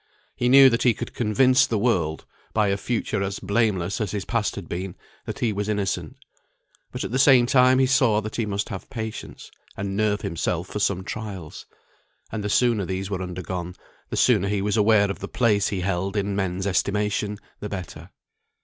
He knew that he could convince the world, by a future as blameless as his past had been, that he was innocent. But at the same time he saw that he must have patience, and nerve himself for some trials; and the sooner these were undergone, the sooner he was aware of the place he held in men's estimation, the better.